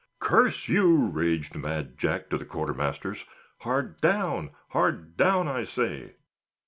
"Curse you!" raged Mad Jack to the quartermasters; "hard down, hard down, I say."